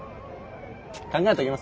考えときます。